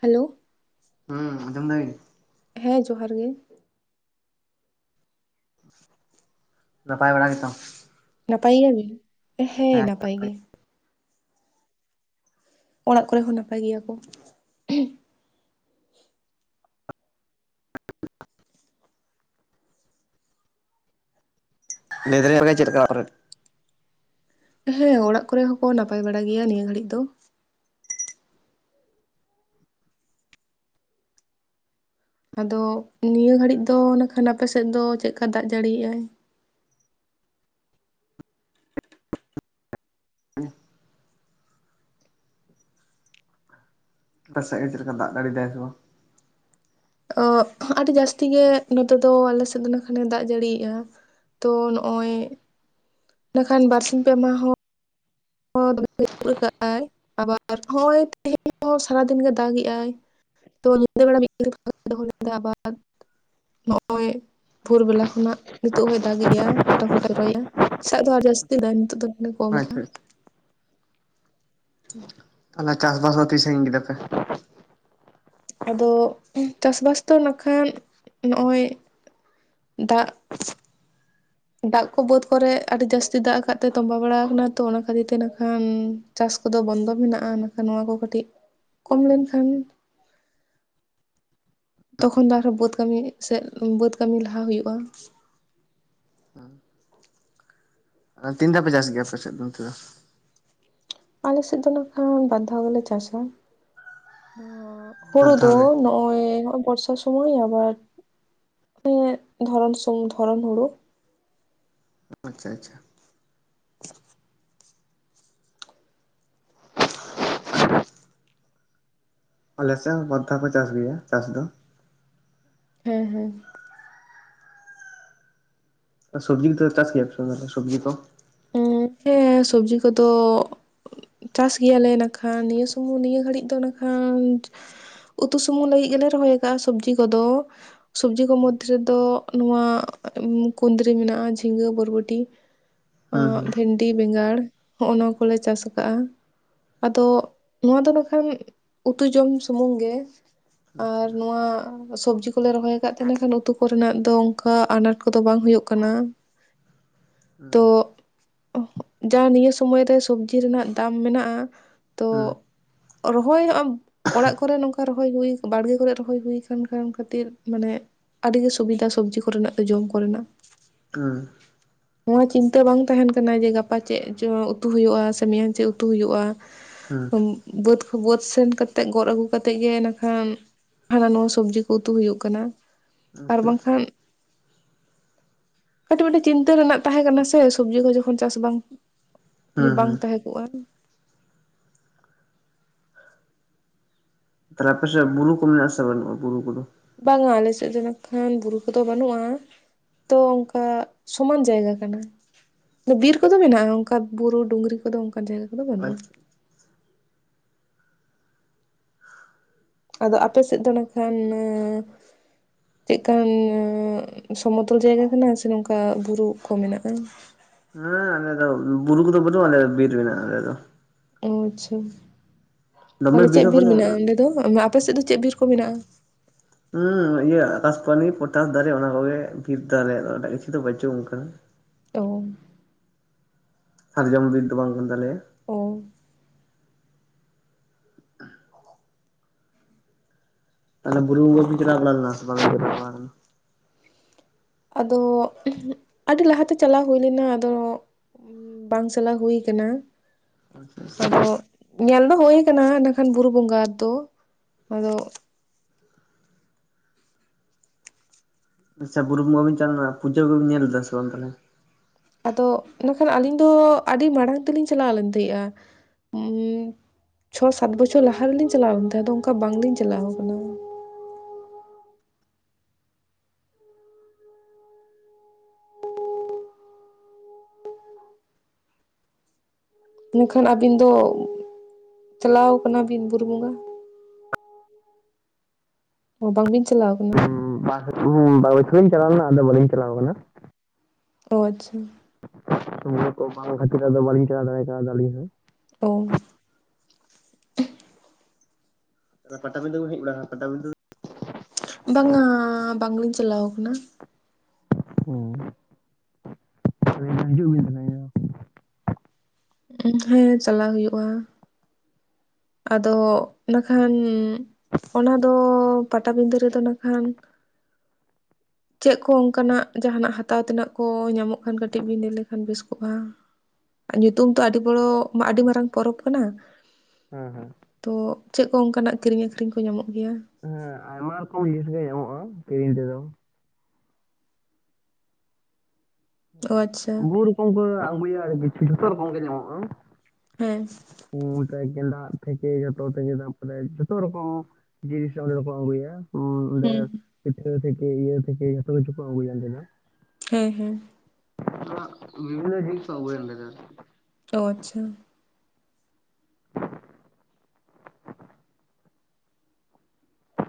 Hello. ᱦᱩᱸ ᱟᱧᱡᱚᱢ ᱫᱟᱵᱤᱱ᱾ ᱦᱮᱸ ᱡᱚᱦᱟᱨ ᱜᱮ᱾ ᱱᱟᱯᱟᱭ ᱵᱟᱲᱟ ᱜᱮ ᱛᱚ? ᱱᱟᱯᱟᱭ ᱜᱮᱭᱟ ᱵᱤᱱ, ᱦᱮᱸ ᱱᱟᱯᱟᱭ ᱜᱮ᱾ ᱚᱲᱟᱜ ᱠᱚᱨᱮ ᱦᱚᱸ ᱱᱟᱯᱟᱭ ᱜᱮᱭᱟ ᱠᱚ᱾ ᱞᱟᱹᱭ ᱫᱟᱹᱞᱤᱧ‌ ᱯᱮ‌ᱜᱮ ᱪᱮᱜ ᱞᱮᱠᱟ‌ ᱚᱣᱟᱜ ᱠᱚᱨᱮ? ᱦᱩᱸ ᱚᱲᱟᱜ ᱠᱚᱨᱮ ᱦᱚᱸ ᱠᱚ ᱱᱟᱯᱟᱭ ᱵᱟᱲᱟ ᱜᱮᱭᱟ ᱱᱤᱭᱟᱹ ᱜᱷᱟᱹᱲᱤᱡ ᱫᱚ᱾ ᱟᱫᱚ ᱱᱤᱭᱟᱹ ᱜᱷᱟᱹᱲᱤᱡ ᱫᱚ ᱱᱟ ᱠᱷᱟᱱ ᱟᱯᱮ ᱥᱮᱜ ᱫᱚ ᱪᱮᱜ ᱠᱟ ᱫᱟᱜ ᱡᱟᱹᱲᱤ ᱭᱮᱜ-ᱟᱭ? [unintelligible] ᱟᱯᱮ ᱥᱮᱡ ᱜᱮ ᱪᱮᱫ ᱞᱮᱠᱟ ᱫᱟᱜ ᱡᱟᱲᱤᱭ ᱫᱟᱭ ᱥᱮ ᱵᱟᱝ? ᱚᱜ ᱟᱰᱤ ᱡᱟᱥᱛᱤ ᱜᱮ ᱱᱚᱛᱮ ᱫᱚ ᱟᱞᱮ ᱥᱮᱜ ᱫᱚ ᱱᱟ ᱠᱷᱟᱱᱮ ᱫᱟᱜ ᱡᱟᱹᱲᱤᱭᱮᱜ-ᱟ᱾ ᱛᱚ ᱱᱚᱜ-ᱚᱭᱼᱼ ᱱᱟ ᱠᱷᱟᱱ ᱵᱟᱨ ᱥᱤᱧ ᱯᱮ ᱢᱟᱦᱟᱸ ᱦᱚᱸᱼᱼ [inaudible] ᱟᱵᱟᱨ ᱦᱚᱸᱜ-ᱚᱭ ᱛᱮᱦᱮᱧ ᱦᱚᱸ ᱥᱟᱨᱟ ᱫᱤᱱ ᱜᱮ ᱫᱟᱜᱮᱜ-ᱟᱭ᱾ [inaudible] ᱵᱷᱳᱨ ᱵᱮᱞᱟ ᱠᱷᱚᱱᱟᱜ ᱱᱤᱛᱚᱜ ᱦᱚᱸᱭ ᱫᱟᱜᱮᱜ-ᱟ ᱯᱷᱚᱴᱚ ᱯᱷᱚᱴᱟ ᱡᱚᱨᱚ ᱭᱮᱜ-ᱟ ᱥᱮᱛᱟᱜ ᱫᱚ ᱟᱨ ᱡᱟᱹᱥᱛᱤ ᱫᱟᱭ ᱱᱤᱛᱚᱜ ᱫᱚ᱾ ᱱᱮ ᱠᱚᱢ ᱟᱠᱟ᱾ ᱟᱪᱪᱷᱟ ᱟᱪᱪᱷᱟ ᱦᱩᱸ᱾ ᱛᱟᱦᱚᱞᱮ ᱪᱟᱥᱼᱵᱟᱥ ᱫᱚ ᱛᱤ ᱥᱟᱺᱜᱤᱧ ᱠᱮᱫᱟ ᱯᱮ? ᱟᱫᱚ ᱩᱸ ᱪᱟᱥᱼᱵᱟᱥ ᱫᱚ ᱱᱟᱠᱷᱟᱱ ᱱᱚᱜ-ᱚᱭ ᱫᱟᱜᱼᱼ ᱫᱟᱜ ᱠᱚ ᱵᱟᱹᱛ ᱠᱚᱨᱮ ᱟᱰᱤ ᱡᱟᱥᱛᱤ ᱫᱟᱜ ᱟᱠᱟᱜ ᱛᱮ ᱛᱚᱸᱵᱟ ᱵᱟᱲᱟᱣ ᱠᱟᱱᱟ ᱛᱚ ᱚᱱᱟ ᱠᱷᱟᱹᱛᱤᱨ ᱛᱮ ᱱᱟᱠᱷᱟᱱᱼᱼ ᱪᱟᱥ ᱠᱚᱫᱚ ᱵᱚᱱᱫᱚ ᱢᱮᱱᱟᱜ-ᱟ ᱱᱟᱠᱷᱟᱱ ᱱᱚᱣᱟ ᱠᱚ ᱠᱟᱹᱴᱤᱡ ᱠᱚᱢ ᱞᱮᱱᱠᱷᱟᱱᱼᱼ ᱛᱚᱠᱷᱚᱱ ᱫᱚ ᱟᱨᱦᱚᱸ ᱵᱟᱹᱛ ᱠᱟᱹᱢᱤ ᱥᱮᱜ ᱵᱟᱹᱛ ᱠᱟᱹᱢᱤ ᱞᱟᱦᱟ ᱦᱩᱭᱩᱜ-ᱟ᱾ ᱟ ᱛᱤᱱ ᱫᱷᱟᱣ ᱯᱮ ᱪᱟᱥ ᱜᱮᱭᱟ ᱟᱯᱮ ᱥᱮᱜ ᱫᱚ ᱚᱱᱛᱮ ᱫᱚ? ᱟᱞᱮ ᱥᱮᱜ ᱫᱚ ᱱᱟᱠᱷᱟᱱ ᱵᱟᱨ ᱫᱷᱟᱣ ᱜᱮᱞᱮ‌ ᱪᱟᱥᱟ ᱟᱸᱻᱜ ᱵᱟᱨ ᱦᱩᱲᱩ ᱫᱷᱟᱣ ᱫᱚ ᱜᱮ ᱱᱚᱜᱼᱼ ᱚᱸᱭ ᱱᱚᱜ-ᱚᱭ ᱵᱚᱨᱥᱟ ᱥᱩᱢᱟᱹᱭ ᱟᱵᱟᱨ ᱮᱸᱫ ᱫᱷᱚᱨᱚᱱ ᱥᱚᱢ ᱫᱷᱚᱨᱚᱱ ᱦᱩᱲᱩ᱾ ᱟᱪᱪᱷᱟ ᱟᱪᱷᱟ᱾ ᱟᱞᱮ ᱥᱮᱜ ᱦᱚᱸ ᱵᱟᱨ ᱫᱷᱟᱣ ᱠᱚ ᱪᱟᱥ ᱜᱮᱭᱟ ᱪᱟᱥ ᱫᱚ᱾ ᱦᱮᱸ ᱦᱮᱸ᱾ ᱟ ᱥᱩᱵᱽᱡᱤ ᱚᱱᱛᱮ ᱪᱟᱥ ᱜᱮᱭᱟ ᱯᱮ ᱥᱮ ᱵᱟ ᱥᱚᱵᱽᱡᱤ ᱠᱚ? ᱜᱚᱝᱠᱮ ᱥᱚᱵᱽᱡᱤ ᱠᱚᱫᱚᱼᱼ ᱩᱸ ᱪᱟᱥ ᱜᱮᱭᱟ ᱞᱮ ᱱᱟᱠᱷᱟᱱ ᱱᱤᱭᱟᱹ ᱥᱩᱢᱩᱝ ᱱᱤᱭᱟᱹ ᱜᱷᱟᱹᱲᱤᱡ ᱫᱚ ᱱᱟᱠᱷᱟᱱᱼᱼ ᱩᱛᱩ ᱥᱩᱢᱩᱝ ᱞᱟᱹᱜᱤᱜ ᱜᱮᱞᱮ ᱨᱚᱦᱚᱭ ᱠᱟᱜ-ᱟ ᱥᱚᱵᱽᱡᱤ ᱠᱚᱫᱚ ᱥᱚᱵᱽᱡᱤ ᱠᱚ ᱢᱚᱫᱽᱫᱷᱮ ᱨᱮᱫᱚᱼᱼ ᱱᱚᱣᱟ ᱮ ᱠᱩᱸᱱᱫᱽᱨᱤ ᱢᱮᱱᱟᱜ-ᱟ ᱡᱷᱤᱸᱜᱟᱹ ᱵᱚᱨᱵᱚᱴᱤ ᱦᱩᱸ ᱟᱸᱜᱼᱼ ᱦᱩᱸ ᱰᱤ ᱵᱮᱸᱜᱟᱲ ᱦᱚᱸᱜ ᱱᱟ ᱠᱚᱞᱮ ᱪᱟᱥ ᱠᱟᱜ-ᱟ᱾ ᱟᱫᱚ ᱱᱚᱣᱟ ᱫᱚ ᱱᱟᱠᱷᱟᱱ ᱩᱛᱩ ᱡᱚᱢ ᱥᱩᱢᱩᱝ ᱜᱮ᱾ ᱟᱪᱪᱷᱟ ᱟᱨ ᱱᱚᱣᱟᱼᱼ ᱥᱚᱵᱽᱡᱤ ᱠᱚᱞᱮ ᱨᱚᱦᱚᱭ ᱠᱟᱜ ᱛᱮ ᱤᱱᱟᱹ ᱠᱷᱟᱱ ᱩᱛᱩ ᱠᱚᱨᱮ ᱱᱟᱜ ᱫᱚ ᱚᱜᱠᱟ ᱟᱱᱟᱴ ᱠᱚᱫᱚ ᱵᱟᱝ ᱦᱩᱭᱩᱜ ᱠᱟᱱᱟ᱾ ᱦᱩᱸ ᱛᱚᱜ ᱡᱟ ᱱᱤᱭᱟᱹ ᱥᱚᱢᱚᱭ ᱨᱮ ᱥᱚᱵᱽᱡᱤ ᱨᱮᱱᱟᱜ ᱫᱟᱢ ᱢᱮᱱᱟᱜ-ᱟ ᱛᱚᱼᱼ ᱦᱩᱸ᱾ ᱨᱚᱦᱚᱭ ᱦᱚᱸ ᱚᱲᱟᱜ ᱠᱚᱨᱮ ᱱᱚᱝᱠᱟ ᱨᱚ ᱦᱳᱭ ᱦᱩᱭ ᱵᱟᱲᱜᱮ ᱠᱚᱨᱮ ᱨᱚᱦᱚᱭ ᱦᱩᱭ ᱠᱟᱱ ᱠᱷᱟᱱ ᱠᱷᱟᱹᱛᱤᱨ ᱢᱟᱱᱮ ᱟᱹᱰᱤ ᱜᱮ ᱥᱩᱵᱤᱫᱷᱟ ᱥᱚᱵᱽᱡᱤ ᱠᱚᱨᱮᱱᱟᱜ ᱫᱚ ᱡᱚᱢ ᱠᱚᱨᱮᱱᱟᱜ᱾ ᱦᱩᱸ ᱱᱚᱣᱟ ᱪᱤᱱᱛᱟᱹ ᱵᱟᱝ ᱛᱟᱦᱮᱱ ᱠᱟᱱᱟ ᱡᱮ ᱜᱟᱯᱟ ᱪᱮᱫ ᱪᱚ ᱩᱛᱩ ᱦᱩᱭᱩᱜᱼᱟ ᱥᱮ ᱢᱮᱭᱟᱝ ᱪᱮᱫ ᱩᱛᱩ ᱦᱩᱭᱩᱜᱼᱟ᱾ ᱦᱩᱸ ᱵᱟᱹᱫᱽ ᱠᱚ ᱵᱟᱹᱫᱽ ᱥᱮᱱ ᱠᱟᱛᱮᱫ ᱜᱚᱫ ᱟᱹᱜᱩ ᱠᱟᱛᱮᱜ ᱜᱮ ᱱᱟᱠᱷᱟᱱ ᱦᱟᱱᱟ ᱱᱟᱣᱟ ᱥᱚᱵᱽᱡᱤ ᱠᱚ ᱩᱛᱩ ᱦᱩᱭᱩᱜ ᱠᱟᱱᱟ᱾ ᱟᱨ ᱟᱪᱪᱷᱟ ᱟᱪᱪᱷᱟ ᱵᱟᱝᱠᱷᱟᱱ ᱠᱟᱹᱴᱤᱡ ᱢᱟᱴᱤᱱ ᱪᱤᱱ ᱛᱟᱹ ᱨᱮᱱᱟᱜ ᱛᱟᱸᱦᱮ ᱠᱟᱱᱟ ᱥᱮ ᱥᱚᱵᱽᱡᱤ ᱠᱚ ᱡᱚᱠᱷᱚᱱ ᱪᱟᱥ ᱵᱟᱝ, ᱡᱩ ᱦᱩᱸ ᱵᱟᱝ ᱦᱩᱸ ᱛᱟᱸᱦᱮ ᱠᱚᱜᱼᱟ᱾ ᱛᱟᱦᱞᱮ ᱟᱯᱮ ᱥᱮᱫ ᱵᱩᱨᱩ ᱠᱚ ᱢᱮᱱᱟᱜ ᱟᱥᱮ ᱵᱟᱱᱩᱜᱼᱟ ᱵᱩᱨᱩ ᱠᱚᱫᱚ? ᱵᱟᱝᱟ ᱟᱞᱮ ᱥᱮᱫ ᱫᱚ ᱱᱟᱠᱷᱟᱱ ᱵᱩᱨᱩ ᱠᱚᱫᱚ ᱵᱟᱹᱱᱩᱜᱼᱟ᱾ ᱛᱚ ᱚᱱᱠᱟ ᱥᱚᱢᱟᱱ ᱡᱟᱭᱜᱟ ᱠᱟᱱᱟ᱾ ᱵᱤᱨ ᱠᱚᱫᱚ ᱢᱮᱱᱟᱜᱼᱟ ᱚᱱᱠᱟ ᱵᱩᱨᱩ ᱰᱩᱜᱽᱨᱤ ᱠᱚᱫᱚ ᱚᱱᱠᱟᱱ ᱡᱟᱭᱜᱟ ᱠᱚᱫᱚ ᱵᱟᱹᱱᱩᱜᱼᱟ᱾ ᱟᱪᱪᱷᱟ [unintelligible] ᱟᱫᱚ ᱟᱯᱮ ᱥᱮᱫ ᱫᱚ ᱱᱟᱠᱷᱟᱱ ᱱᱟ ᱪᱮᱫ ᱠᱟᱱ ᱥᱚᱢᱚᱛᱚᱞ ᱡᱟᱭᱜᱟ ᱠᱟᱱᱟ ᱥᱮ ᱱᱚᱝᱠᱟ ᱵᱩᱨᱩ ᱠᱚ ᱢᱮᱱᱟᱜᱼᱟ? ᱦᱮᱸ ᱟᱞᱮ ᱫᱚ ᱵᱩᱨᱩ ᱠᱚᱫᱚ ᱵᱟᱱᱩᱜᱼᱟ ᱟᱞᱮ ᱫᱚ ᱵᱤᱨ ᱢᱮᱱᱟᱜ-ᱟ ᱟᱞᱮ ᱫᱚ᱾ ᱚ ᱟᱪᱪᱷᱟ ᱫᱚᱢᱮ ᱛᱟᱦᱞᱮ ᱪᱮᱫ ᱦᱚᱸ ᱵᱤᱨ ᱵᱟᱹᱱᱩᱜᱼᱟ ᱢᱮᱱᱟᱜᱼᱟ ᱚᱸᱰᱮ ᱫᱚ, ᱟᱸ ᱟᱯᱮ ᱥᱮᱫ ᱫᱚ ᱪᱮᱫ ᱵᱤᱨ ᱠᱚ ᱢᱮᱱᱟᱜᱼᱟ? ᱩᱸ ᱤᱭᱟᱹ ᱟᱠᱟᱥᱯᱟᱱᱤ ᱯᱚᱴᱟᱥ ᱫᱟᱨᱮ ᱚᱱᱟ ᱠᱚᱜᱮ ᱵᱤᱨ ᱫᱚ ᱟᱞᱮᱭᱟᱜ ᱫᱚ ᱮᱴᱟᱜ ᱠᱤᱪᱷᱩ ᱫᱚ ᱵᱟᱹᱪᱩᱜᱼᱟ ᱚᱝᱠᱟ ᱼᱼ ᱛᱚ ᱥᱟᱨᱡᱟᱢ ᱵᱤᱨ ᱫᱚ ᱵᱟᱝ ᱠᱟᱱ ᱛᱟᱞᱮᱭᱟ᱾ ᱚ ᱛᱟᱦᱞᱮ ᱵᱩᱨᱩ ᱵᱚᱸᱜᱟ ᱵᱤᱱ ᱪᱟᱞᱟᱣ ᱵᱟᱲᱟ ᱞᱮᱱᱟ ᱥᱮᱵᱟᱝ [inaudible] ᱫᱚ ᱵᱟᱝ? ᱟᱫᱚ ᱩᱸᱦ ᱩᱸ ᱟᱹᱰᱤ ᱞᱟᱦᱟᱛᱮ ᱪᱟᱞᱟᱣ ᱦᱩᱭ ᱞᱮᱱᱟ ᱟᱫᱚ ᱵᱟᱝ ᱪᱟᱞᱟᱣ ᱦᱩᱭ ᱠᱟᱱᱟ᱾ ᱟᱫᱚ ᱧᱮᱞ ᱫᱚ ᱦᱩᱭ ᱠᱟᱱᱟ ᱤᱱᱟᱹ ᱠᱷᱟᱱ ᱵᱩᱨᱩ ᱵᱚᱸᱜᱟ ᱟᱫᱚ, ᱟᱫᱚ ᱟᱪᱪᱷᱟ ᱵᱩᱨᱩ ᱵᱚᱸᱜᱟ ᱵᱤᱱ ᱪᱟᱞᱟᱣ ᱞᱮᱱᱟ ᱯᱩᱡᱟᱹ ᱠᱚᱵᱤᱱ ᱧᱮᱞ ᱞᱮᱫᱟ ᱥᱮ ᱵᱟᱝ ᱛᱟᱦᱞᱮ? ᱟᱫᱚ ᱤᱱᱟᱹ ᱠᱷᱟᱱ ᱟᱹᱞᱤᱧ ᱫᱚ ᱟᱹᱰᱤ ᱢᱟᱲᱟᱝ ᱛᱮᱞᱤᱧ ᱪᱟᱞᱟᱣ ᱞᱮᱱ ᱛᱟᱦᱮᱸᱜᱼᱟ᱾ ᱪᱷᱚ ᱥᱟᱛ ᱵᱚᱪᱷᱚᱨ ᱞᱟᱦᱟ ᱨᱮᱞᱤᱧ ᱪᱟᱞᱟᱣ ᱞᱮᱱ ᱛᱟᱦᱮᱸ ᱟᱫᱚ ᱚᱝᱠᱟ ᱵᱟᱝᱞᱤᱧ ᱪᱟᱞᱟᱣ ᱠᱟᱱᱟ ᱾ ᱤᱱᱟᱹ ᱠᱷᱟᱱ ᱟᱹᱵᱤᱱ ᱫᱚ ᱪᱟᱞᱟᱣ ᱠᱟᱱᱟ ᱵᱤᱱ ᱵᱩᱨᱩ ᱵᱚᱸᱜᱟ? ᱚ ᱵᱟᱝ ᱵᱤᱱ ᱪᱟᱞᱟᱣ ᱠᱟᱱᱟ᱾ ᱦᱩᱸ ᱟᱨ ᱠᱟᱹᱴᱤᱡ ᱵᱟᱨ ᱵᱚᱪᱷᱚᱨ ᱤᱧ ᱪᱟᱞᱟᱣ ᱞᱮᱱᱟ ᱟᱫᱚ ᱵᱟᱹᱞᱤᱧ ᱪᱟᱞᱟᱣ ᱠᱟᱱᱟ᱾ ᱚ ᱟᱪᱪᱷᱟ ᱢᱚᱱᱮ ᱠᱚ ᱵᱟᱝ ᱠᱷᱟᱹᱛᱤᱨ ᱟᱫᱚ ᱵᱟᱹᱞᱤᱧ ᱪᱟᱞᱟᱣ ᱫᱟᱲᱮᱭ ᱠᱟᱣᱫᱟ ᱟᱞᱤᱧ ᱦᱚᱸ᱾ ᱚ ᱟᱫᱚ ᱯᱟᱛᱟᱵᱤᱸᱫᱷᱟᱹ ᱵᱤᱱ ᱦᱮᱡ ᱵᱟᱲᱟᱣ-ᱟ ᱯᱟᱛᱟᱵᱤᱸᱫᱷᱟᱹ? ᱵᱟᱝ-ᱟᱻ ᱵᱟᱝᱞᱤᱧ ᱪᱟᱞᱟᱣ ᱠᱟᱱᱟ᱾ ᱦᱩᱸ [inaudible] ᱦᱤᱡᱩᱜ ᱵᱤᱱ ᱛᱟᱞᱦᱮ᱾ ᱩᱸ ᱦᱮᱸ ᱪᱟᱞᱟᱣ ᱦᱩᱭᱩᱜᱼᱟ᱾ ᱟᱫᱚ ᱤᱱᱟᱹ ᱠᱷᱟᱱᱻ ᱚᱱᱟ ᱫᱚ ᱯᱟᱴᱟᱵᱤᱸᱫᱷᱟᱹ ᱨᱮᱫᱚ ᱱᱟ ᱠᱷᱟᱱ ᱪᱮᱫ ᱠᱚ ᱚᱸᱠᱟᱱᱟᱜ ᱡᱟᱦᱟᱱᱟᱜ ᱦᱟᱛᱟᱣ ᱛᱮᱱᱟᱜ ᱠᱚ ᱧᱟᱢᱚᱜ ᱠᱷᱟᱱ ᱠᱟᱹᱴᱤᱡ ᱵᱤᱱ ᱞᱟᱹᱭ ᱞᱮᱠᱷᱟᱱ ᱵᱮᱥ ᱠᱚᱜᱼᱟ? ᱧᱩᱛᱩᱢ ᱛᱚ ᱟᱹᱰᱤ ᱵᱚᱲᱚ ᱟᱹᱰᱤ ᱢᱟᱨᱟᱝ ᱯᱚᱨᱚᱵᱽ ᱠᱟᱱᱟ᱾ ᱦᱚᱸᱦᱚᱸ, ᱛᱚ ᱪᱮᱫ ᱠᱚ ᱚᱸᱠᱟᱱᱟᱜ ᱠᱤᱨᱤᱧ ᱟᱹᱠᱷᱨᱤᱧ ᱠᱚ ᱧᱟᱢᱚᱜ ᱜᱮᱭᱟ? ᱦᱮᱸ ᱟᱭᱢᱟ ᱨᱚᱠᱚᱢ ᱡᱤᱱᱤᱥ ᱜᱮ ᱧᱟᱢᱚᱜᱼᱟ ᱠᱤᱨᱤᱧ ᱛᱮᱫᱚ᱾ ᱚ ᱟᱪᱪᱷᱟ [unintelligible] ᱨᱚᱠᱚᱢ ᱠᱚ ᱟᱜᱩᱭᱟ ᱮ ᱠᱤᱪᱷᱩ ᱡᱷᱚᱛᱚ ᱨᱚᱠᱚᱢ ᱜᱮ ᱧᱟᱢᱚᱜᱼᱟ᱾ ᱦᱮᱸ, ᱯᱩ ᱛᱟᱭ ᱜᱮᱸᱫᱟᱜ ᱛᱷᱮᱠᱮ ᱡᱚᱛᱚ ᱛᱷᱮᱠᱮ ᱫᱟᱢ ᱵᱚᱞᱮ ᱡᱚᱛᱚ ᱨᱚᱠᱚᱢ ᱡᱤᱱᱤᱥ ᱚᱸᱰᱮ ᱫᱚᱠᱚ ᱟᱹᱜᱩᱭᱟ᱾ ᱩᱸ ᱚᱸᱰᱮ ᱦᱮᱸ ᱯᱤᱴᱷᱟᱹ ᱛᱷᱮᱠᱮ ᱤᱭᱟᱹ ᱛᱷᱮᱠᱮ ᱡᱷᱚᱛᱚ ᱠᱤᱪᱩ ᱠᱚ ᱚᱸᱰᱮ ᱫᱚ᱾ ᱦᱮᱸ ᱦᱮᱸ, [unintelligible] ᱚ ᱟᱪᱪᱷᱟ,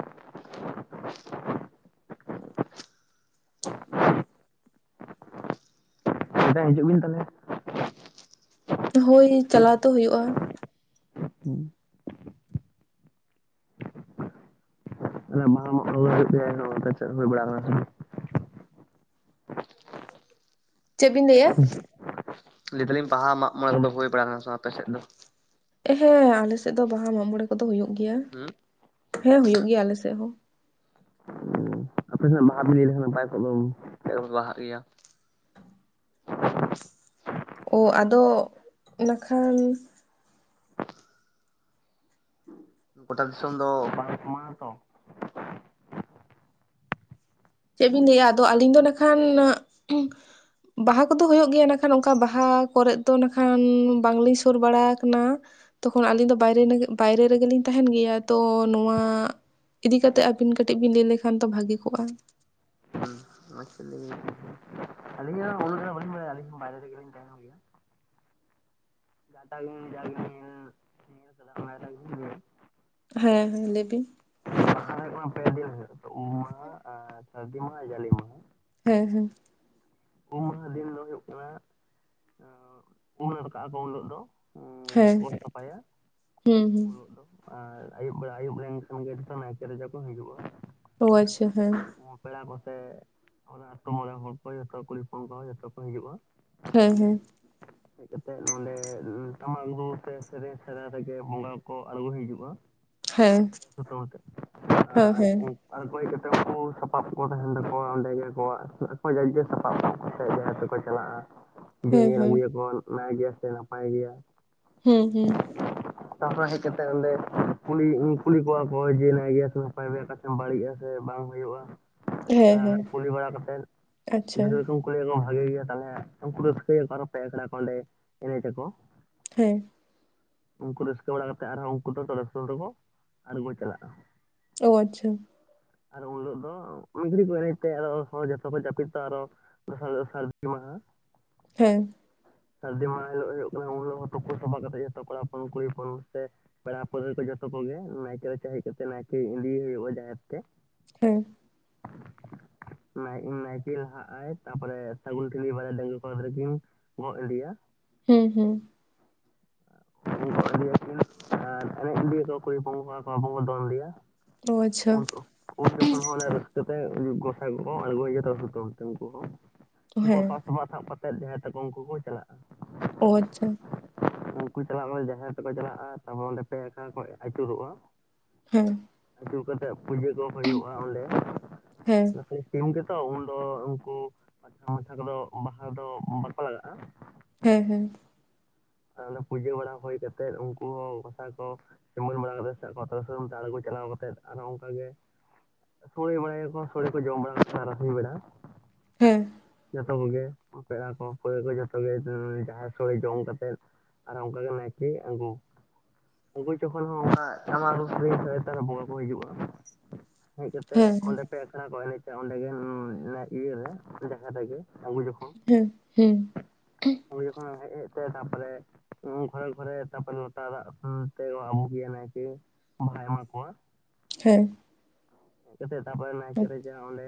[inaudible] [inaudible] ᱦᱤᱡᱩᱜ ᱵᱤᱱ ᱛᱟᱦᱚᱞᱮ ᱦᱳᱭ ᱪᱟᱞᱟᱣ ᱛᱚ ᱦᱩᱭᱩᱜ-ᱟ᱾ ᱦᱩᱸ, [inaudible] ᱪᱮᱫ ᱵᱤᱱ ᱞᱟᱹᱭᱮᱜ-ᱟ? [inaudible] ᱞᱟᱹᱭ ᱫᱟᱞᱤᱧ ᱵᱟᱦᱟ ᱢᱟᱜ ᱢᱚᱲᱮ ᱠᱚ ᱫᱚ ᱦᱩᱭ ᱵᱟᱲᱟ ᱠᱟᱱᱟ ᱥᱮ ᱵᱟᱝ ᱟᱯᱮ ᱥᱮᱫ ᱫᱚ? ᱦᱮᱸ ᱟᱞᱮᱥᱮᱫ ᱫᱚ ᱵᱟᱦᱟ ᱢᱟᱜ ᱢᱚᱬᱮ ᱠᱚᱫᱚ ᱦᱩᱭᱩᱜ ᱜᱮᱭᱟ᱾ ᱦᱩᱸ ᱦᱮᱸ ᱦᱩᱭᱩᱜ ᱜᱮᱭᱟ ᱟᱞᱮᱥᱮᱫ ᱦᱚᱸ᱾ [inaudible] ᱵᱟᱦᱟ ᱵᱤᱞᱤ ᱞᱟᱹᱭ [inaudible] ᱵᱟᱦᱟᱜ ᱜᱮᱭᱟ᱾ ᱚ ᱟᱫᱚ ᱤᱱᱟᱹᱠᱷᱟᱱ ᱜᱚᱴᱟ ᱫᱤᱥᱚᱢ ᱫᱚ ᱵᱟᱝ ᱢᱟ ᱛᱚ ᱪᱮᱫ ᱵᱤᱱ ᱞᱟᱹᱭᱮᱜ-ᱟ ᱟᱫᱚ ᱟᱞᱤᱧ ᱫᱚ ᱱᱟᱹᱠᱷᱟᱱ ᱵᱟᱦᱟ ᱠᱚᱫᱚ ᱦᱩᱭᱩᱜ ᱜᱮᱭᱟ᱾ ᱮᱸᱰᱮᱠᱷᱟᱱ ᱚᱱᱠᱟ ᱵᱟᱦᱟ ᱠᱚᱨᱜ ᱫᱚ ᱱᱟᱹᱠᱷᱟᱱ ᱵᱟᱝᱞᱤᱧ ᱥᱩᱨ ᱵᱟᱲᱟ ᱠᱟᱱᱟ᱾ ᱛᱚᱠᱷᱚᱱ ᱟᱹᱞᱤᱧ ᱫᱚ ᱵᱟᱭᱨᱮ ᱱᱮᱜᱮ ᱵᱟᱭᱨᱮ ᱨᱮᱜᱮᱞᱤᱧ ᱛᱟᱦᱮᱱ ᱜᱮᱭᱟ᱾ ᱛᱚ ᱱᱚᱣᱟ ᱤᱫᱤ ᱠᱟᱛᱮᱫ ᱟᱹᱵᱤᱱ ᱠᱟᱹᱴᱤᱡ ᱵᱤᱱ ᱞᱟᱹᱭ ᱞᱮᱠᱷᱟᱱ ᱛᱚ ᱵᱷᱟᱹᱜᱤ ᱠᱚᱜ-ᱟ᱾ ᱟᱪᱪᱷᱟ [inaudible] ᱟᱞᱤᱧ ᱦᱚᱸ ᱦᱩᱞ [inaudible] ᱵᱟᱲᱟᱭᱟ ᱵᱟᱭᱨᱮ ᱨᱮᱜᱮ ᱞᱤᱧ ᱛᱟᱦᱮᱱ ᱜᱮᱭᱟ᱾ [inaudible] ᱦᱮᱸ ᱦᱮᱸ ᱞᱟᱹᱭ ᱵᱤᱱ᱾ [inaudible] ᱯᱮ ᱫᱤᱱ ᱦᱩᱭᱩᱜ ᱟᱛᱚ ᱩᱢ ᱢᱟᱦᱟ, ᱟᱨ ᱥᱟᱹᱨᱫᱤ ᱢᱟᱦᱟ, ᱡᱟᱞᱮ ᱢᱟᱦᱟ᱾ ᱦᱮᱸ ᱦᱮᱸ, ᱩᱢ ᱟᱦᱟ ᱫᱤᱱ ᱫᱚ ᱦᱩᱭᱩᱜ ᱠᱟᱱᱟ, ᱮᱸᱜ ᱩᱢ ᱱᱟᱲᱠᱟᱜ ᱟᱠᱚ ᱩᱱᱦᱤᱞᱳᱜ ᱫᱚ᱾ ᱦᱮᱸ ᱡᱟᱦᱟᱸ [inaudible] ᱥᱟᱯᱷᱟᱭᱟ ᱦᱩᱸ ᱦᱩᱸ ᱩᱱ ᱞᱚᱜ ᱫᱚ᱾ ᱟᱨ ᱟᱹᱭᱩᱵ ᱵᱮᱲᱟ ᱟᱹᱭᱩᱵ ᱞᱮᱱᱠᱷᱟᱱ ᱱᱟᱭᱠᱮ ᱨᱮᱡᱟ ᱠᱚ ᱦᱤᱡᱩᱜ-ᱟ᱾ ᱚ ᱟᱪᱪᱷᱟ ᱦᱮᱸ ᱩᱸ ᱯᱮᱲᱟ ᱠᱚᱥᱮ ᱟᱹᱛᱩ ᱢᱚᱬᱮ ᱦᱚᱲ ᱠᱚ ᱡᱚᱛᱚ ᱠᱩᱲ ᱦᱚᱯᱚᱱ ᱠᱚᱦᱚᱸ ᱡᱚᱛᱚ ᱠᱚ ᱦᱤᱡᱩᱜ-ᱟ᱾ ᱦᱮᱸ ᱦᱮᱸ, ᱦᱮᱡ ᱠᱟᱛᱮᱜ ᱱᱚᱸᱰᱮ ᱴᱟᱢᱟᱠ ᱨᱩ ᱛᱮ ᱥᱮᱨᱮᱸᱧ ᱥᱮᱬᱟ ᱨᱮᱜᱮ ᱵᱚᱸᱜᱟ ᱠᱚ ᱟᱬᱜᱚ ᱦᱤᱡᱩᱜ-ᱟ᱾ ᱦᱮᱸ ᱥᱚᱛᱢ ᱟᱛᱮᱫ ᱦᱮᱸ ᱦᱮᱸ [unintelligible] ᱟᱨ ᱚᱠᱚᱭ ᱠᱟ ᱠᱟᱛᱮ ᱩᱱᱠᱩ, ᱥᱟᱯᱟᱵ ᱠᱚ ᱛᱟᱦᱮᱸᱱ ᱛᱟᱠᱚᱣᱟ ᱚᱸᱰᱮ ᱜᱮ ᱟᱠᱚᱣᱟᱜ, ᱟᱠᱚᱣᱟᱜ ᱡᱟᱨ ᱡᱳᱨ᱾ ᱥᱟᱯᱟᱵ ᱥᱟᱵ ᱠᱟᱛᱮᱫ ᱜᱮ ᱡᱟᱦᱮᱨ ᱛᱮᱠᱚ ᱪᱟᱞᱟᱜ-ᱟ᱾ ᱡᱮ ᱦᱮᱸ ᱧᱮᱞ ᱦᱮᱸ ᱟᱹᱜᱩᱭᱟᱠᱚ ᱱᱟᱭ ᱜᱮᱭᱟ ᱥᱮ ᱱᱟᱯᱟᱭ ᱜᱮᱭᱟ᱾ ᱦᱮᱸ ᱦᱮᱸ᱾ ᱛᱟᱯᱚᱨᱮ ᱦᱮᱡ ᱠᱟᱛᱮᱜ ᱚᱸᱰᱮ, ᱠᱩᱞᱤ ᱠᱩᱞᱤ ᱠᱚᱣᱟ ᱠᱚ ᱡᱮ ᱦᱮᱸᱱᱟᱭ ᱜᱮᱭᱟ ᱥᱮ ᱱᱟᱯᱟᱭ ᱵᱮ ᱥᱮᱢ ᱵᱟᱹᱲᱤᱡ ᱟᱥᱮ ᱵᱟᱝ ᱦᱩᱭᱩᱜ-ᱟ, ᱦᱮᱸ ᱟᱨ ᱚᱱᱟ ᱦᱮᱸ ᱠᱩᱞᱤ ᱵᱟᱲᱟ ᱠᱟᱛᱮᱫ ᱟᱪᱪᱷᱟ ᱨᱚᱠᱚᱢ ᱠᱩᱞᱤ ᱠᱚᱢ ᱵᱷᱟᱜᱮ ᱜᱮᱭᱟ ᱛᱟᱦᱚᱸᱞᱮ ᱩᱱᱠᱩ ᱫᱚ ᱨᱟᱹᱥᱠᱟᱹᱭᱟ ᱠᱚ ᱟᱨᱚ ᱯᱮ ᱮᱷᱲᱟ ᱠᱚ ᱚᱸᱰᱮ ᱮᱱᱮᱡᱟ ᱠᱚ᱾ ᱦᱮᱸ᱾ ᱩᱱᱠᱩ ᱨᱟᱹᱥᱠᱟᱹ ᱵᱟᱲᱟ ᱠᱟᱛᱮᱫ ᱟᱨᱦᱚᱸ ᱩᱱᱠᱩ ᱫᱚ ᱛᱚᱲᱮ ᱥᱩᱛᱟᱹᱢ ᱛᱮ ᱠᱚ ᱟᱲᱜᱳ ᱪᱟᱞᱟᱜ-ᱟ᱾ ᱚ ᱟᱪᱪᱷᱟ᱾ ᱟᱨ ᱩᱱ ᱦᱤᱞᱳᱜ ᱫᱚ, ᱢᱤᱫ ᱜᱷᱟᱹᱲᱤ ᱠᱚ ᱮᱱᱮᱡ ᱛᱮ ᱟᱫᱚ ᱦᱚᱲ ᱡᱚᱛᱚ ᱡᱟᱹᱯᱤᱫ ᱛᱟ ᱟᱨᱚ ᱫᱚᱥᱟᱨ ᱦᱤᱞᱟᱹᱜ ᱫᱚ ᱥᱟᱹᱨᱫᱤ ᱢᱟᱦᱟ᱾ ᱦᱮᱸ᱾ ᱥᱟᱹᱨᱫᱤ ᱢᱟᱦᱟ ᱦᱤᱞᱳᱜ ᱦᱩᱭᱩᱜ ᱠᱟᱱᱟ ᱩᱱ ᱦᱤᱞᱳᱜ ᱦᱚ ᱛᱩᱯᱩ ᱥᱟᱯᱷᱟ ᱠᱟᱛᱮᱜ ᱡᱚᱛᱚ ᱠᱚᱲᱟ ᱦᱚᱯᱚᱱ ᱠᱩᱲᱤ ᱦᱚᱯᱚᱱ ᱥᱮ ᱯᱮᱲᱟ ᱯᱟᱹᱲᱦᱟᱹ ᱠᱚ ᱡᱚᱛᱚ ᱠᱚᱜᱮ, ᱱᱟᱭᱠᱮᱹ ᱨᱟᱪᱟ ᱦᱮᱡ ᱠᱟᱛᱮ, ᱱᱟᱭᱠᱮᱹ ᱤᱫᱤᱭᱮ ᱦᱩᱭᱩᱜ-ᱟ ᱡᱟᱦᱮᱨ ᱛᱮ ᱦᱮᱸ᱾ ᱱᱟᱭ ᱱᱟᱭᱠᱮᱹ ᱞᱟᱦᱟᱜ ᱟᱭ ᱛᱟᱯᱚᱨᱮ ᱥᱟᱹᱜᱩᱱ ᱴᱷᱤᱞᱤ ᱵᱟᱨᱭᱟ ᱰᱟᱹᱝᱜᱣᱟᱹ ᱠᱚᱲᱟ ᱜᱤᱫᱽᱨᱟᱹ ᱠᱤᱱ ᱜᱚᱸᱜ ᱤᱰᱤᱭᱟ᱾ ᱦᱩᱸ ᱦᱩᱸ᱾ [unintelligible] ᱮᱸ ᱮᱱᱮᱡ ᱤᱫᱤᱭᱟ ᱠᱚ ᱠᱩᱲᱤ ᱦᱚᱯᱚᱱ ᱠᱚᱲᱟ ᱦᱚᱯᱚᱱ ᱠᱚ ᱫᱚᱝ ᱤᱫᱤᱭᱟ᱾ ᱚ ᱟᱪᱪᱷᱟ ᱩᱞ ᱠᱚ᱾ ᱩᱱ ᱡᱚᱠᱷᱚᱱ ᱦᱚᱸ ᱚᱱᱮ ᱨᱟᱹᱥᱠᱟᱹ ᱛᱮ ᱜᱚᱸᱥᱟᱭ ᱠᱚ ᱠᱚ ᱟᱬᱜᱳ ᱦᱤᱡᱩ ᱛᱚᱲᱮ ᱥᱩᱛᱟᱹᱢ ᱛᱮ ᱩᱱᱠᱩ ᱦᱚᱸ ᱩᱱᱠᱩᱣᱟᱜ ᱦᱮᱸ ᱯᱷᱟᱥᱴᱵᱟᱸ ᱥᱟᱵ ᱠᱟᱛᱮᱫ ᱡᱟᱦᱮᱸᱨ ᱛᱮᱠᱚ ᱩᱱᱠᱩ ᱠᱚ ᱪᱟᱞᱟᱜ-ᱟ᱾ ᱚ ᱟᱪᱪᱷᱟ᱾ ᱩᱱᱠᱩ ᱪᱟᱞᱟᱜ ᱨᱮ ᱡᱟᱦᱮᱨ ᱛᱮᱠᱚ ᱪᱟᱞᱟᱜ-ᱟ ᱛᱟᱨᱯᱚᱨ ᱚᱸᱰᱮ ᱯᱮ ᱫᱷᱟᱣ ᱠᱚ ᱟᱹᱪᱩᱨᱚᱜ-ᱟ᱾ ᱦᱮᱸ᱾ ᱟᱹᱪᱩᱨ ᱠᱟᱛᱮᱫ ᱯᱩᱡᱟᱹ ᱠᱚ ᱦᱩᱭᱩᱜ-ᱟ ᱚᱸᱰᱮ᱾ ᱦᱮᱸ ᱥᱤᱢ ᱜᱮᱛᱚ ᱩᱱᱫᱚ ᱩᱱᱠᱩ ᱢᱟᱪᱷᱟ ᱢᱟᱪᱷᱟ ᱠᱚᱫᱚ ᱵᱟᱦᱟ ᱫᱚ ᱵᱟᱠᱚ ᱞᱟᱜᱟᱜ-ᱟ᱾ ᱦᱮᱸ ᱦᱮᱸ᱾ ᱚᱰᱮᱸ ᱯᱩᱡᱟᱹ ᱵᱟᱲᱟ ᱦᱳᱭ ᱠᱟᱛᱮᱫ ᱩᱱᱠᱩ ᱦᱚᱸ ᱜᱚᱴᱟ ᱠᱚ᱾ ᱥᱤᱢᱟᱹᱱ ᱵᱟᱲᱟ ᱠᱟᱛᱮᱫ ᱠᱚᱣᱟ ᱛᱚᱲᱮ ᱥᱩᱛᱟᱹᱢ ᱛᱮ ᱟᱬᱜᱚ ᱪᱟᱞᱟᱣ ᱠᱟᱛᱮ ᱟᱨᱦᱚᱸ ᱚᱱᱠᱟ ᱜᱮ ᱥᱳᱲᱮ ᱵᱟᱲᱟᱭᱟ ᱠᱚ ᱥᱳᱲᱮ ᱠᱚ ᱡᱚᱢ ᱵᱟᱲᱟ ᱠᱟᱛᱮ ᱛᱟᱨᱟ ᱥᱤᱧ ᱵᱮᱲᱟ ᱦᱮᱸ᱾ ᱡᱚᱛᱚ ᱠᱚᱜᱮ ᱯᱮᱲᱟ ᱠᱚ ᱯᱟᱹᱲᱦᱟᱹ ᱡᱷᱚᱛᱚ ᱜᱮ [inaudible] ᱡᱟᱦᱮᱨ ᱥᱳᱲᱮ ᱡᱚᱢ ᱠᱟᱛᱮᱜ ᱟᱨ ᱚᱱᱠᱟ ᱜᱮ ᱱᱟᱭᱜᱮ ᱟᱹᱜᱩ ᱟᱹᱜᱩᱭ ᱡᱚᱠᱷᱚᱱ ᱦᱚᱸ ᱚᱱᱠᱟ ᱴᱟᱢᱟᱠ ᱨᱩ [unintelligible] ᱵᱚᱸᱜᱟ ᱠᱚ ᱦᱤᱡᱩᱜ-ᱟ᱾ ᱦᱮᱡ ᱠᱟᱛᱮᱜ ᱚᱸᱰᱮ ᱯᱮ ᱟᱹᱠᱷᱲᱟ ᱠᱚ ᱮᱱᱮᱡ ᱪᱟ, ᱚᱸᱰᱮ ᱜᱮ [inaudible] ᱤᱭᱟᱹᱨᱮ ᱡᱟᱦᱮᱨ ᱨᱮᱜᱮ ᱟᱹᱜᱩ ᱡᱚᱠᱷ ᱦᱩᱸ ᱦᱩᱸ᱾ ᱦᱳᱭ ᱡᱚᱠᱷᱚᱱ ᱦᱮᱡ ᱦᱮᱡ ᱛᱮ ᱨᱮ ᱜᱷᱟᱹᱲᱤ ᱯᱚᱨᱮ ᱛᱟᱨᱯᱚᱨᱮ ᱞᱚᱴᱟ ᱫᱟᱜ ᱟᱛᱮ ᱟᱵᱩᱜᱮᱭᱟ ᱱᱟᱭᱠᱮ᱾ ᱵᱟᱦᱟᱭ ᱮᱢᱟ ᱠᱚᱣᱟ᱾ ᱦᱮᱸ᱾ ᱦᱮᱡ ᱠᱟᱛᱮᱜ ᱛᱟᱨᱯᱚᱨᱮ ᱱᱟᱭᱠᱮ ᱨᱟᱪᱟ ᱚᱸᱰᱮ,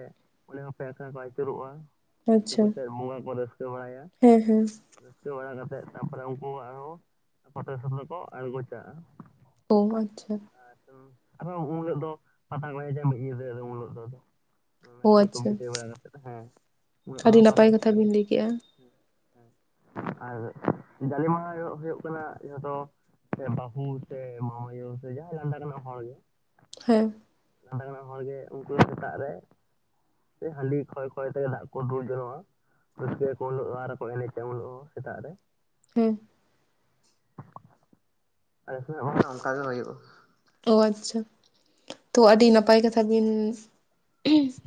ᱚᱸᱰᱮ ᱦᱚᱸ ᱯᱮ ᱟᱠᱷᱟᱲᱟ ᱠᱚ ᱟᱹᱪᱩᱨᱚᱜ-ᱟ᱾ ᱟᱴᱩᱯᱟᱛᱮᱫ ᱵᱚᱸᱜᱟ ᱠᱚ ᱨᱟᱹᱥᱠᱟᱹ ᱵᱟᱲᱟᱭᱟ᱾ ᱨᱟᱹᱥᱠᱟᱹ ᱵᱟᱲᱟ ᱠᱟᱛᱮᱫ ᱛᱟᱨᱯᱚᱨᱮ ᱩᱱᱠᱩ ᱟᱨᱦᱚᱸ ᱠᱟᱛᱮᱠ ᱠᱚ ᱫᱚ ᱠᱚ ᱟᱬᱜᱚ ᱪᱟᱜᱼᱟ᱾ ᱳ ᱟᱪᱪᱷᱟ ᱟᱨ ᱟᱨᱦᱚᱸ ᱩᱱ ᱦᱤᱞᱳᱜ ᱫᱚ [unintelligible] ᱢᱤᱫ ᱧᱤᱫᱟᱹ ᱩᱱ ᱦᱤᱞᱳᱜ ᱫᱚ᱾ ᱱᱟᱭᱠᱮ ᱠᱚᱢ ᱟᱪᱪᱷᱟ ᱵᱤᱫᱟᱹ ᱵᱟᱲᱟ ᱟᱹᱰᱤ ᱱᱟᱯᱟᱭ ᱠᱟᱛᱮᱫ ᱠᱟᱛᱷᱟ ᱦᱮᱸ ᱵᱤᱱ [inaudible] ᱞᱟᱹᱭ ᱠᱮᱜᱼᱟ᱾ ᱟᱨ ᱡᱟᱲᱤ ᱢᱟ ᱦᱩᱭᱩᱜ ᱠᱟᱱᱟ ᱡᱚᱛᱚᱼᱼ ᱥᱮ ᱵᱟᱹᱦᱩ ᱥᱮ ᱢᱟᱢᱟᱭᱩ ᱥᱮ ᱡᱟᱦᱟᱸᱟᱭ ᱞᱟᱸᱫᱟ ᱜᱟᱱᱚᱜ ᱦᱚᱲᱜᱮ᱾ ᱦᱮᱸ᱾ ᱞᱟᱱᱫᱟᱸ ᱜᱟᱱᱚᱜ ᱦᱚᱲ ᱜᱮ ᱩᱱᱠᱩ ᱥᱮᱛᱟᱜ ᱨᱮ... ᱮ ᱦᱟᱸᱰᱤ ᱠᱷᱚᱭ ᱠᱷᱚᱭ ᱛᱮ ᱫᱟᱜ ᱠᱚ ᱫᱩᱞ ᱡᱚᱝ-ᱟ᱾ ᱨᱟᱹᱥᱠᱟᱹᱠᱚ ᱩᱞᱩᱜᱼᱟ ᱟᱨᱚᱠᱚ ᱮᱱᱮᱡᱟ ᱩᱱ ᱦᱤᱞᱳᱜ ᱥᱮᱛᱟᱜ ᱨᱮ᱾ ᱦᱮᱸ ᱟᱥᱮᱜ ᱦᱚᱸ ᱚᱱᱠᱟ ᱜᱮ ᱦᱩᱭᱩᱜ-ᱟ᱾ ᱚ ᱟᱪᱪᱷᱟ ᱛᱚ ᱟᱹᱰᱤ ᱱᱟᱯᱟᱭ ᱠᱟᱛᱷᱟ ᱵᱤᱱ ᱩᱸ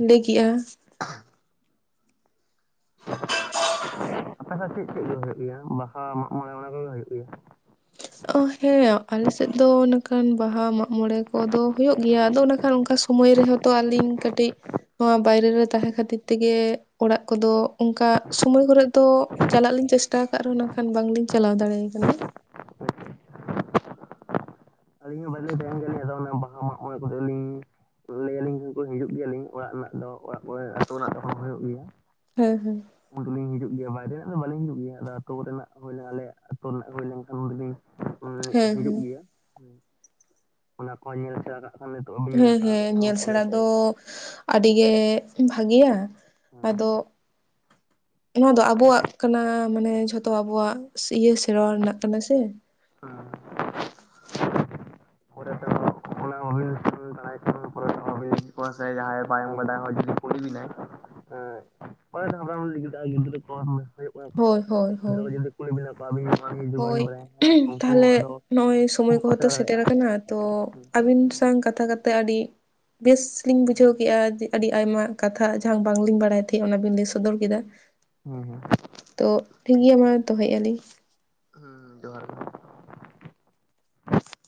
ᱞᱟᱹᱭ ᱠᱮᱫᱼᱟ᱾ [unintelligible] ᱟᱯᱮ ᱥᱮᱜ ᱪᱮᱫ ᱪᱮᱫ ᱜᱮ ᱦᱩᱭᱩᱜ ᱜᱮᱭᱟ ᱵᱟᱦᱟ, ᱢᱟᱜ ᱢᱚᱬᱮ ᱚᱱᱟ ᱠᱚᱜᱮ ᱦᱩᱭᱩᱜ ᱜᱮᱭᱟ᱾ ᱚ ᱦᱮᱸ ᱟᱞᱮ ᱥᱮᱫ ᱫᱚ ᱮᱱᱟᱹᱠᱷᱟᱱ ᱵᱟᱦᱟ ᱢᱟᱜᱢᱚᱬᱮ ᱠᱚᱫᱚ ᱦᱩᱭᱩᱜ ᱜᱮᱭᱟ ᱟᱫᱚ ᱚᱱᱟ ᱠᱷᱟᱱ ᱚᱱᱠᱟᱼᱼᱼ ᱥᱚᱢᱚᱭ ᱨᱮᱦᱚᱸ ᱛᱚ ᱟᱹᱞᱤᱧ ᱠᱟᱹᱴᱤᱡᱼᱼ ᱱᱚᱣᱟ ᱵᱟᱭᱨᱮ ᱨᱮ ᱛᱟᱦᱮᱸ ᱠᱷᱟᱹᱛᱤᱨ ᱛᱮᱜᱮ ᱚᱲᱟᱜ ᱠᱚᱫᱚ ᱚᱱᱠᱟ ᱥᱳᱢᱚᱭ ᱠᱚᱨᱮ ᱫᱚ ᱪᱟᱞᱟᱜ ᱞᱤᱧ ᱪᱮᱥᱴᱟ ᱟᱠᱟᱫ ᱨᱮᱦᱚᱸ ᱱᱟᱜᱷ ᱠᱷᱟᱱ ᱵᱟᱝᱞᱤᱧ ᱪᱟᱞᱟᱣ ᱫᱟᱲᱮᱭ ᱟᱠᱟᱱᱟ᱾ ᱟᱹᱞᱤᱧ ᱦᱚᱸ ᱵᱟᱹᱞᱤᱧ ᱛᱟᱸᱦᱮᱱ ᱠᱟᱱ ᱜᱮᱭᱟ [unintelligible] ᱵᱟᱦᱟ ᱢᱟᱜ ᱢᱚᱬᱮ ᱠᱚᱨᱮᱞᱤᱧ᱾ ᱞᱟᱹᱭ ᱟᱹᱞᱤᱧ ᱠᱷᱟᱱ ᱠᱚ ᱦᱤᱡᱩᱜ ᱜᱮᱭᱟᱞᱤᱧ ᱚᱲᱟᱜ ᱨᱮᱱᱟᱜ ᱫᱚ ᱚᱲᱟᱜ ᱠᱚᱨᱮ ᱟᱹᱛᱳ ᱨᱮᱱᱟᱜ ᱫᱚᱦᱚᱸ ᱦᱩᱭᱩᱜ ᱜᱮᱭᱟ᱾ ᱦᱮᱸ ᱦᱮᱸ᱾ ᱩᱱ ᱫᱚᱞᱤᱧ ᱦᱤᱡᱩᱜ ᱜᱮᱭᱟ ᱵᱟᱭᱨᱮ ᱨᱮᱱᱟᱜ ᱫᱚ ᱵᱟᱹᱞᱤᱧ ᱦᱤᱡᱩᱜ ᱜᱮᱭᱟ, ᱟᱫᱚ ᱟᱛᱩ ᱠᱚᱨᱮᱱᱟᱜ ᱦᱩᱭ ᱞᱮᱱᱟ ᱟᱞᱮ ᱟᱹᱛᱩ ᱨᱮᱱᱟᱜ ᱦᱩᱭ ᱞᱮᱱᱠᱷᱟᱱ ᱩᱱ ᱫᱚᱤᱧ ᱦᱮᱸ, ᱦᱮᱸ᱾ ᱦᱤᱡᱩᱜ ᱜᱮᱭᱟ ᱚᱱᱟ ᱠᱚᱦᱚᱸ ᱧᱮᱞ ᱥᱮᱬᱟ ᱠᱟᱜ ᱠᱷᱟᱱ ᱵᱟᱹᱧ ᱧᱮᱞ ᱦᱮᱸ ᱥᱮᱬᱟ ᱠᱟᱜ ᱦᱮᱸ ᱠᱷᱟᱱ ᱧᱮᱞ ᱥᱮᱬᱟ ᱯᱚᱨᱮᱛᱮ ᱫᱚ ᱟᱹᱰᱤ ᱜᱮ ᱵᱷᱟᱜᱮᱭᱟ᱾ ᱟᱫᱚ ᱱᱚᱣᱟ ᱫᱚ ᱟᱵᱚᱣᱟᱜ ᱠᱟᱱᱟ ᱢᱟᱱᱮ ᱡᱷᱚᱛᱚ ᱟᱵᱚᱣᱟᱜ ᱤᱭᱟᱹ ᱥᱮᱨᱣᱟ ᱨᱮᱱᱟᱜ ᱠᱟᱱᱟ ᱥᱮ᱾ [unintelligible] ᱯᱚᱨᱮ ᱛᱮ᱾ ᱚᱱᱟ ᱵᱟᱵᱤᱱ ᱵᱟᱲᱟᱭ ᱠᱷᱟᱱ ᱛᱮ ᱵᱟᱵᱤᱱ ᱯᱚᱨᱮ ᱥᱮ ᱡᱟᱦᱟᱸᱭ ᱵᱟᱝ ᱵᱟᱰᱟᱭ ᱦᱚᱲ ᱡᱫᱤ ᱠᱩᱞᱤ ᱵᱤᱱᱟᱭ᱾ [inaudible] ᱜᱤᱫᱽᱨᱟᱹ ᱠᱚ ᱦᱩᱭᱩᱜ ᱠᱟᱱᱟ ᱛᱚ ᱦᱳᱭ ᱦᱳᱭ ᱜᱤᱫᱽᱨᱟᱹ ᱦᱳᱭ ᱠᱚ ᱡᱩᱫᱤ᱾ ᱠᱩᱞᱤ ᱵᱤᱱᱟ ᱠᱚ ᱟᱹᱵᱤᱱ ᱱᱚᱣᱟ ᱜᱮ ᱡᱩᱫᱤ ᱦᱳᱭ ᱵᱟᱵᱤᱱ ᱵᱟᱲᱟᱭᱟ ᱦᱮᱸ ᱩᱱᱠᱩ ᱛᱟᱦᱚᱞᱮ ᱟᱫᱚ ᱱᱚᱜᱼᱚᱭ ᱩᱱᱠᱩ ᱥᱚᱢᱚᱭ ᱦᱚᱸ ᱵᱟᱠᱚ ᱠᱚᱦᱚᱸ ᱛᱚ ᱥᱮᱬᱟ ᱥᱮᱴᱮᱨ ᱫᱟᱲᱮᱭᱟᱜᱼᱟ᱾ ᱟᱠᱟᱱᱟ ᱛᱚ ᱟᱹᱵᱤᱱ ᱥᱟᱶ ᱠᱟᱛᱷᱟ ᱠᱟᱛᱮ ᱟᱹᱰᱤ ᱵᱮᱥ ᱞᱤᱧ ᱵᱩᱡᱷᱟᱹᱣ ᱠᱮᱫᱼᱟᱮ ᱟᱹᱰᱤ ᱟᱭᱢᱟ ᱠᱟᱛᱷᱟ ᱡᱟᱦᱟᱸ ᱵᱟᱝᱞᱤᱧ ᱵᱟᱲᱟᱭ ᱛᱟᱦᱮᱸᱜ ᱚᱱᱟ ᱵᱤᱱ ᱞᱟᱹᱭ ᱥᱚᱫᱚᱨ ᱠᱮᱫᱟ᱾ [unintelligible] ᱦᱩᱸᱦᱩᱸ ᱛᱚ ᱴᱷᱤᱠ ᱜᱮᱭᱟ ᱢᱟ ᱫᱚᱦᱚᱭᱮᱫᱼᱟ ᱞᱤᱧ᱾ ᱦᱩᱸ ᱡᱚᱦᱟᱨ ᱜᱮ